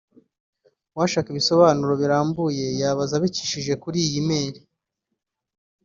uwashaka ibisobanuro birambuye yabaza abicishije kuri iyi email